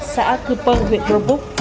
xã cư pơng huyện grombuch